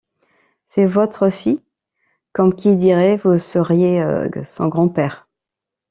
C’est votre fille? comme qui dirait: vous seriez son grand-père ?